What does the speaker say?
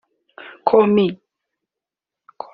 Call me